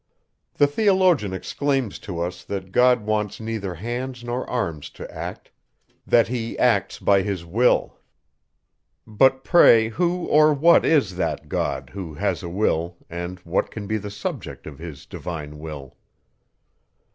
The theologian exclaims to us, that God wants neither hands nor arms to act; that he acts by his will. But pray, who or what is that God, who has a will, and what can be the subject of his divine will?